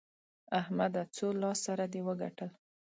احمده! څو لاس سره دې وګټل؟